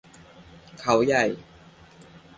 เขาใหญ่